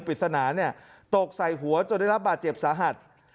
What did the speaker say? ปริศนาตกใส่หัวจนได้รับบาดเจ็บสาหัส